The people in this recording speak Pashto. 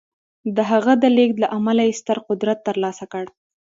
د هغه د لېږد له امله یې ستر قدرت ترلاسه کړ